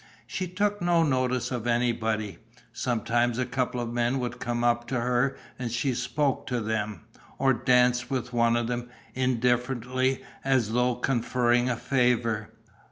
She took no notice of anybody. Sometimes a couple of men would come up to her and she spoke to them, or danced with one of them, indifferently, as though conferring a favour.